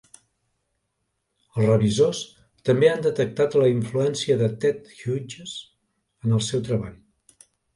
Els revisors també han detectat la influència de Ted Hughes en el seu treball.